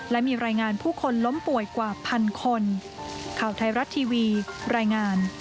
และมีรายงานผู้คนล้มป่วยกว่าพันคน